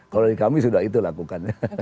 kalau di kami sudah itu lakukan